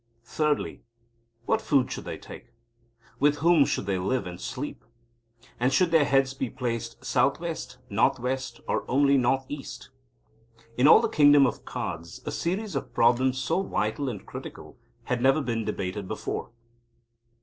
Thirdly, what food should they take? With whom should they live and sleep? And should their heads be placed south west, north west, or only north east? In all the Kingdom of Cards a series of problems so vital and critical had never been debated before.